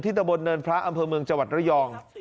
ที่ตะบลเนินพระอำเภอเมืองจวัดระยอง